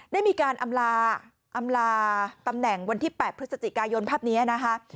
ได้มีการอำลาอำลาตำแหน่งวันที่๘พฤศจิกายนภาพนี้นะคะ